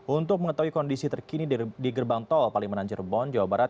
untuk mengetahui kondisi terkini di gerbang tol palimanan cirebon jawa barat